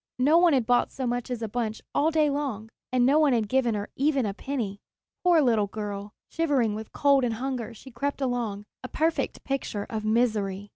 No one had bought so much as a bunch all the long day, and no one had given her even a penny. Poor little girl! Shivering with cold and hunger she crept along, a perfect picture of misery!